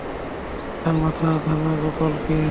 এখানে মাধানা গোপাল কে?